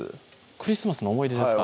クリスマスの思い出ですか？